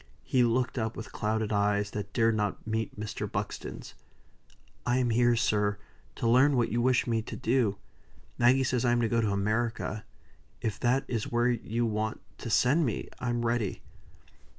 He looked up with clouded eyes, that dared not meet Mr. Buxton's. "I am here, sir, to learn what you wish me to do. Maggie says I am to go to America; if that is where you want to send me, I'm ready."